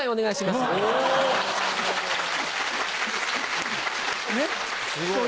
すごい。